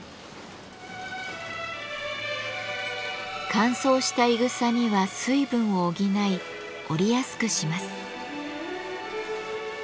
乾燥したいぐさには水分を補い織りやすくします。